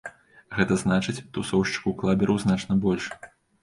Гэта значыць, тусоўшчыкаў-клабераў значна больш.